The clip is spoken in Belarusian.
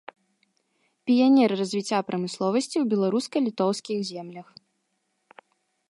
Піянер развіцця прамысловасці ў беларуска-літоўскіх землях.